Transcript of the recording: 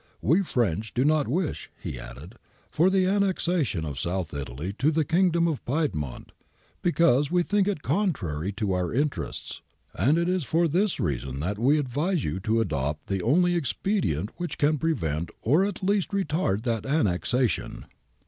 * We French do not wish,' he added, ' for the annexation of South Italy to the Kingdom of Piedmont, because we think it contrary to our interests, and it is for this reason that we advise you to adopt the only expedient which can prevent or at least retard that annexation.'